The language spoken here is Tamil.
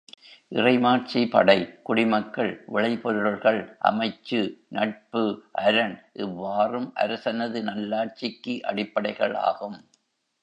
இறைமாட்சி படை, குடிமக்கள், விளைபொருள்கள், அமைச்சு, நட்பு, அரண் இவ் வாறும் அரசனது நல்லாட்சிக்கு அடிப்படைகள் ஆகும்.